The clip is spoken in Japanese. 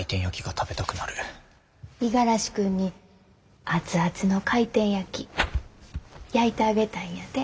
五十嵐君に熱々の回転焼き焼いてあげたいんやて。